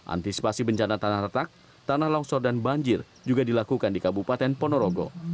antisipasi bencana tanah retak tanah longsor dan banjir juga dilakukan di kabupaten ponorogo